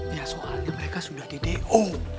ya soalnya mereka sudah di do